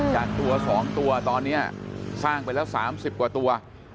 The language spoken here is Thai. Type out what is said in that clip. จากตัว๒ตัวตอนนี้สร้างไปแล้ว๓๐กว่าตัว